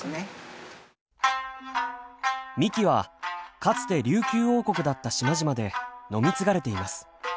みきはかつて琉球王国だった島々で飲み継がれています。